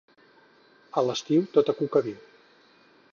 A l'estiu tota cuca viu.